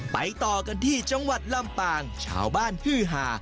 ต่อกันที่จังหวัดลำปางชาวบ้านฮือหา